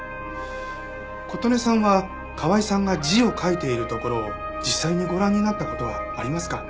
琴音さんは川井さんが字を書いているところを実際にご覧になった事はありますか？